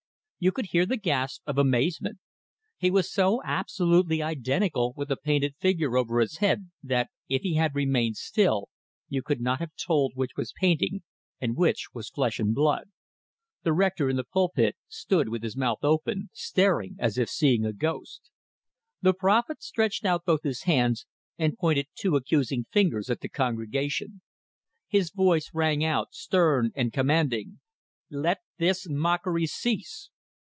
You could hear the gasp of amazement; he was so absolutely identical with the painted figure over his head, that if he had remained still, you could not have told which was painting and which was flesh and blood. The rector in the pulpit stood with his mouth open, staring as if seeing a ghost. The prophet stretched out both his hands, and pointed two accusing fingers at the congregation. His voice rang out, stern and commanding: "Let this mockery cease!"